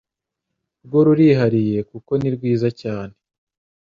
rwo rurihariye kuko nirwiza cyane